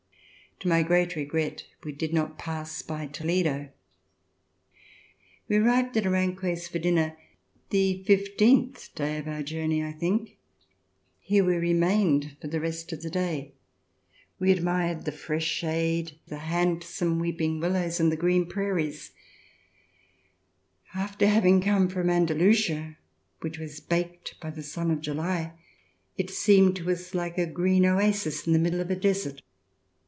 To my great regret we did not pass by Toledo. We arrived at Aranjuez for dinner the fifteenth day of our journey, I think. Here we remained for the rest of the day. We admired the fresh shade, the handsome weeping willows and the green prairies. DEPARTURE FOR EUROPE After having come from Andalusia which was baked by the sun of July, it seemed to us like a green oasis in the midst of a desert.